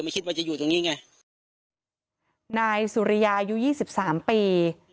คิดว่าจะอยู่ตรงนี้ไงนายสุริยายุยยี่สิบสามปี